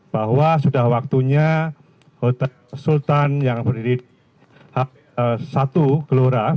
bahwa sudah waktunya sultan yang berdiri di satu gelora